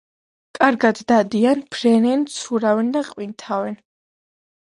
კარგად დადიან, ფრენენ, ცურავენ და ყვინთავენ.